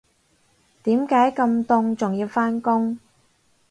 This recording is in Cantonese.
點解咁凍仲要返工